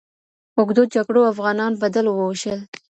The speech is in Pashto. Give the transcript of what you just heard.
اوږدو جګړو افغانان په ډلو وویشل.